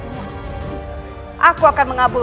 baik gusana prabu